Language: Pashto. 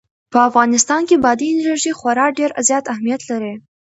په افغانستان کې بادي انرژي خورا ډېر زیات اهمیت لري.